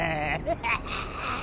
ハハハ。